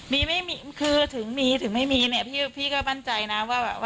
มีไม่มีคือถึงมีถึงไม่มีเนี่ยพี่ก็มั่นใจนะว่าแบบว่า